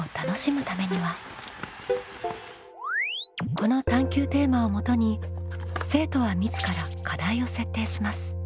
この探究テーマをもとに生徒は自ら課題を設定します。